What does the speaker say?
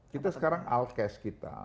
kita sekarang out cash kita